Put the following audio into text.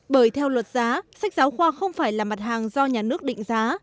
bởi theo luật giá sách giáo khoa không phải là mặt hàng do nhà nước định giá